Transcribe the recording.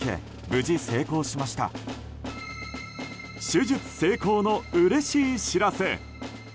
手術成功のうれしい知らせ。